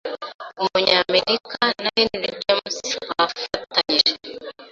Umunyamerika na Henry James bafatanyije